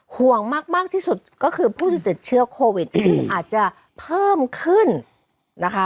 ห่วงมากที่สุดก็คือผู้ที่ติดเชื้อโควิดซึ่งอาจจะเพิ่มขึ้นนะคะ